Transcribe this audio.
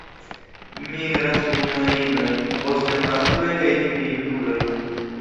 Migras unue inoj, poste maskloj kaj fine junuloj.